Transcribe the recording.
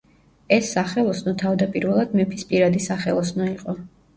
ეს სახელოსნო თავდაპირველად მეფის პირადი სახელოსნო იყო.